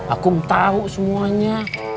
akum tahu semuanya